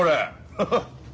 ハハッ。